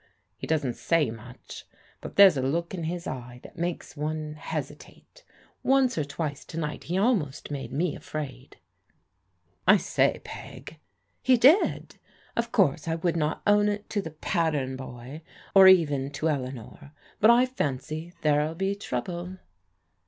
He doesn't say much ; but there's a look in his eye that makes one hesitate. Once or twice to night he almost made me afraid." " I say, Peg." " He did. Of course I would not own it to the * pat tern boy,' or even to Eleanor. But I fancy there'll be trouble."